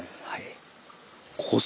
はい。